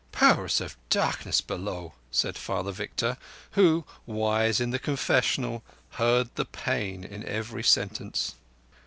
"Powers of Darkness below!" said Father Victor, who, wise in the confessional, heard the pain in every sentence.